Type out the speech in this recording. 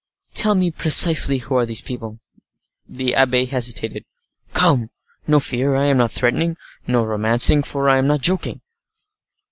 "Tell me precisely who are these people." The abbe hesitated. "Come! no fear, I am not threatening; no romancing, for I am not joking."